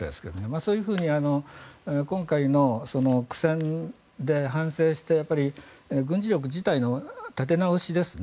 そういうふうに今回の苦戦で反省して軍事力自体の立て直しですね。